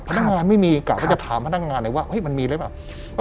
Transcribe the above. พนักงานไม่มีกลับไปจะถามพนักงานเลยว่ามันมีอะไรป่ะ